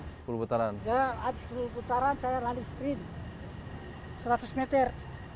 dan habis sepuluh putaran saya landing screen seratus meter